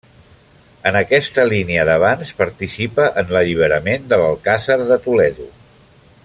En aquesta línia d'avanç participa en l'alliberament de l'Alcàsser de Toledo.